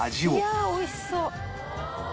いやあおいしそう！